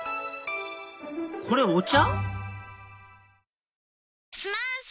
これお茶？